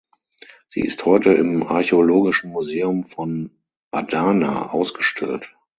Sie ist heute im Archäologischen Museum von Adana ausgestellt.